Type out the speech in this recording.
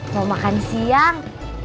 mau makan siang